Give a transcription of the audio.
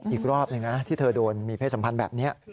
อีกรอบหนึ่งนะที่เธอโดนมีเพศสัมพันธ์แบบนี้